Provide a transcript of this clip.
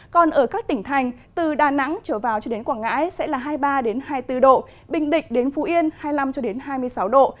còn ở các tỉnh thành từ đà nẵng trở vào cho đến quảng ngãi sẽ là hai mươi ba hai mươi bốn độ bình định đến phú yên hai mươi năm hai mươi sáu độ